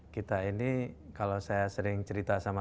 kita ini kalau saya sering cerita sama